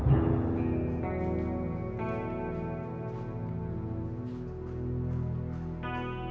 cepetan ya mbok